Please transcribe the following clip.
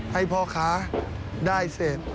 ให้พ่อค้าได้เสร็จ